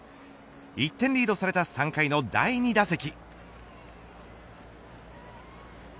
１点リードされた３回の第２打席。